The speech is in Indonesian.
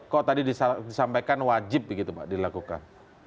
kok tadi disampaikan wajib begitu pak dilakukan